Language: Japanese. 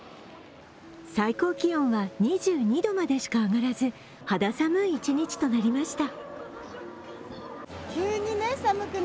最高気温は２２度までしか上がらず肌寒い一日となりました。